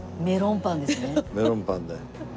メロンパンだよ。